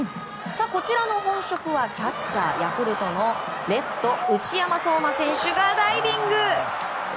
こちら本職はキャッチャー、ヤクルトのレフト内山壮真選手がダイビング。